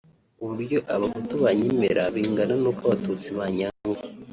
uburyo abahutu banyemera bingana nuko abatutsi banyanga